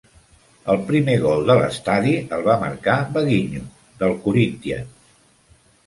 El primer gol de l'estadi el va marcar Vaguinho, del Corinthians.